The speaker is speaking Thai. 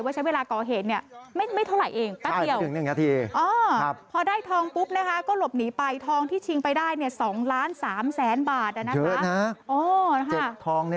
ว่าเวลาก่อเหตุไม่เท่าไหร่เองแป๊บเดียว